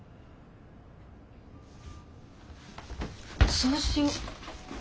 そうしよう。